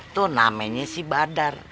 tuh namanya si badar